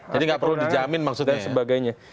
jadi tidak perlu dijamin maksudnya ya